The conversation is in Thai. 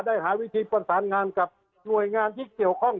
หาวิธีประสานงานกับหน่วยงานที่เกี่ยวข้อง